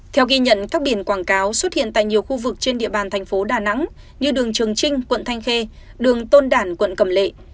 theo ghi nhận các biển quảng cáo xuất hiện tại nhiều khu vực trên địa bàn thành phố đà nẵng như đường trường trinh quận thanh khê đường tôn đản quận cầm lệ